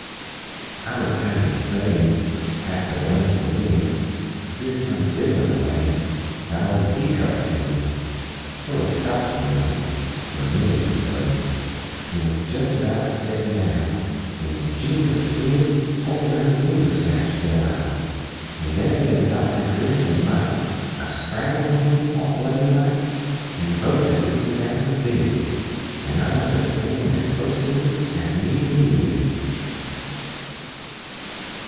I wuz kind o' strayin' Past the blame saloon Heerd some fiddler playin' That "ole hee cup tune!" Sort o' stopped, you know, Fer a minit er so, And wuz jes' about Settin' down, when Jeemses whizz! Whole durn winder sash fell out! An' there laid Dock McGriff, and Mike A straddlin' him, all bloody like, An' both a gittin' down to biz! An' I wuz a standin' as clost to 'em As me an' you is!